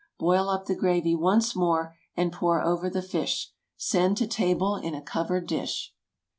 Boil up the gravy once more, and pour over the fish. Send to table in a covered dish.